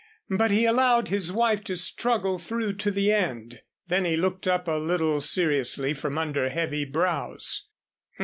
But he allowed his wife to struggle through to the end. Then he looked up a little seriously from under heavy brows.